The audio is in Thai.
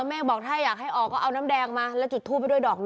เมฆบอกถ้าอยากให้ออกก็เอาน้ำแดงมาแล้วจุดทูปไปด้วยดอกหนึ่ง